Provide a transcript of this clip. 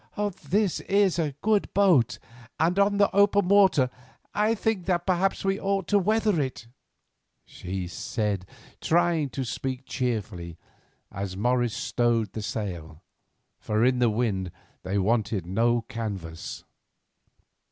"This is a good sea boat, and on the open water I think perhaps that we ought to weather it," she said, trying to speak cheerfully, as Morris stowed the sail, for in that wind they wanted no canvas.